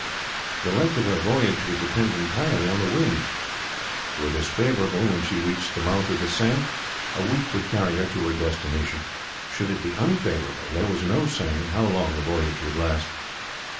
The length of her voyage would depend entirely on the wind. Were this favourable when she reached the mouth of the Seine, a week would carry her to her destination. Should it be unfavourable there was no saying how long the voyage would last.